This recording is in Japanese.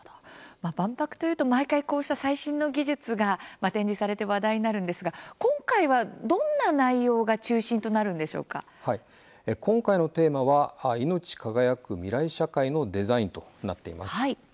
万博というと毎回こうした最新の技術が展示されて話題になるんですが、今回はどんな内容が今回のテーマは「いのち輝く未来社会のデザイン」となっています。